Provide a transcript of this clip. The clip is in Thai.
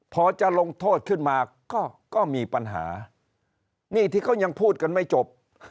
พอจะลงโทษขึ้นมาก็มีปัญหานี่ที่เขายังพูดกันไม่จบ